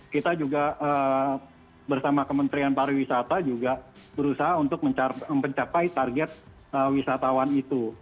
kita juga bersama kementerian pariwisata juga berusaha untuk mencapai target wisatawan itu